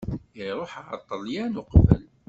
Iruḥ ɣer Ṭṭelyan uqbel.